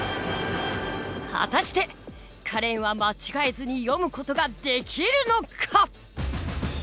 果たしてカレンは間違えずに読む事ができるのか？